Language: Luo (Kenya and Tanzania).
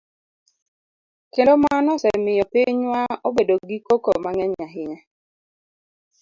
Kendo mano osemiyo pinywa obedo gi koko mang'eny ahinya.